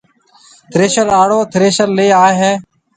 ٿريشر آݪو ٿريشر ليَ آئي هيَ۔